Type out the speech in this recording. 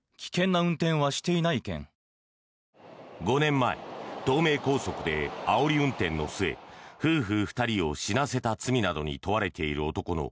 ５年前、東名高速であおり運転の末夫婦２人を死なせた罪などに問われている男の